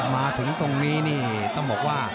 มาถึงตรงนี้นี่ต้องบอกว่า